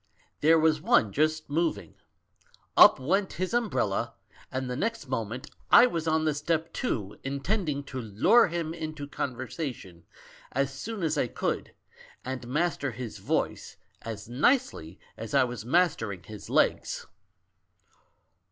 There was one just moving. Up went his umbrella; and the next moment I was on the step, too, in tending to lure him into conversation as soon as I could, and master his voice as nicely as I was mastering his legs.